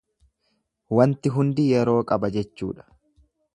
Wanti hundi yeroo qaba jechuudha.